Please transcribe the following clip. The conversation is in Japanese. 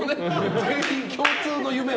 全員共通の夢を。